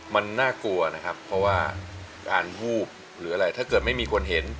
มันน่ากลัวนะครับเพราะว่าการวูบหรืออะไรถ้าเกิดไม่มีคนเห็น